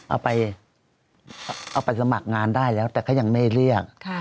เอาไปสมัครงานได้แล้วแต่ก็ยังไม่เรียก